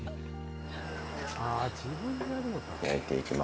焼いていきまーす。